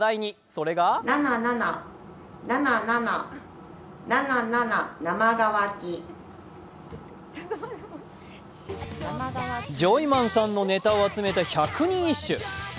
それがジョイマンさんのネタを集めた百人一首。